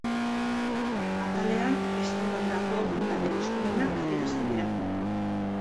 Atalean Extremadurako Juntaren eskumenak adierazten dira.